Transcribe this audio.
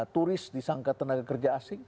turis disangka tenaga kerja asing